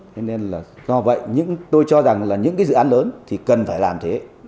cho nên là do vậy tôi cho rằng là những cái dự án lớn thì cần phải làm thế